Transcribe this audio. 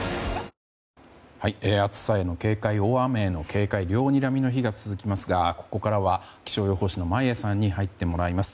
暑さへの警戒大雨への警戒両にらみの日が続きますがここからは気象予報士の眞家さんに入ってもらいます。